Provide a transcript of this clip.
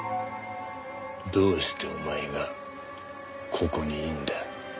どうしてお前がここにいるんだ？